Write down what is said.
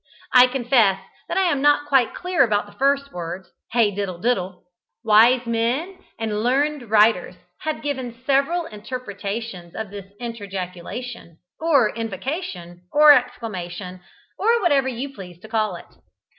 I confess that I am not quite clear about the first words, "Hey diddle diddle!" Wise men and learned writers have given several interpretations of this interjaculation, or invocation, or exclamation, or whatever you please to call it.